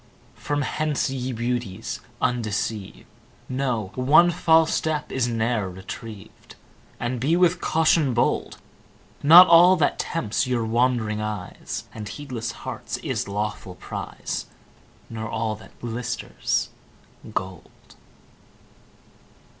From hence, ye Beauties undeceived, Know, one false step is ne'er retrieved, And be with caution bold. Not all that tempts your wand'ring eyes And heedless hearts, is lawful prize; Nor all that glisters, gold.